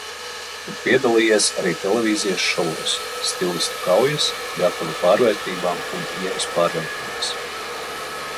"Ir piedalījies arī televīzijas šovos – "Stilistu kaujas", "Gatava pārvērtībām" un "Ievas pārvērtības"."